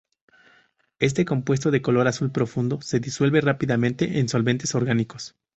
Este compuesto de color azul profundo se disuelve rápidamente en solventes orgánicos.